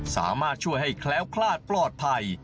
สามารถช่วยให้แคล้วคลาดปลอดภัย